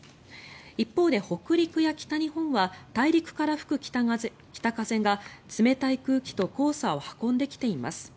一方で、北陸や北日本は大陸から吹く北風が冷たい空気と黄砂を運んできています。